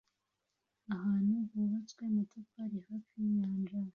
Ahantu hubatswe amatafari hafi yinyanja